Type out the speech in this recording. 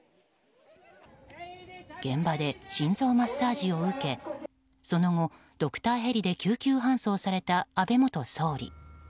現場で心臓マッサージを受けその後、ドクターヘリで救急搬送された安倍元総理。